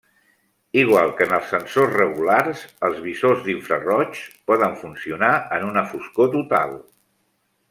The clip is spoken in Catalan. Igual que en els sensors regulars, els visors d'infraroigs poden funcionar en una foscor total.